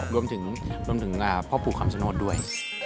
รวมถึงพ่อผู้ขำสนดด้วย